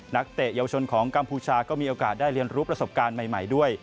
เตะเยาวชนของกัมพูชาก็มีโอกาสได้เรียนรู้ประสบการณ์ใหม่ด้วย